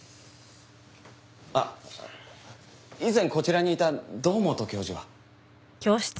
あっ以前こちらにいた堂本教授は？